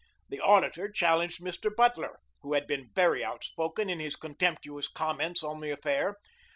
The Auditor challenged Mr. Butler, who had been very outspoken in his contemptuous comments on the affair.